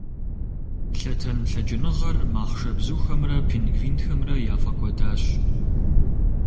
Лъэтэн лъэкӀыныгъэр махъшэбзухэмрэ пингвинхэмрэ яфӀэкӀуэдащ.